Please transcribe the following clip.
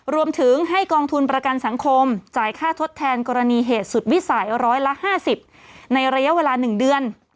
รวมถึงให้กองทุนประกันสังคมจ่ายค่าทดแทนกรณีเหตุสุดวิสัยร้อยละ๕๐ในระยะเวลา๑เดือน